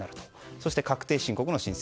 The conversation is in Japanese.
そして確定申告の申請。